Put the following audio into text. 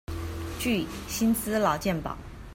具薪資勞健保